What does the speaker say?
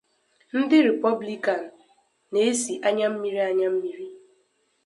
Ndi Ripoblikan na-esi anya mmiri anya mmiri